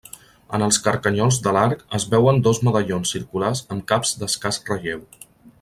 En els carcanyols de l'arc es veuen dos medallons circulars amb caps d'escàs relleu.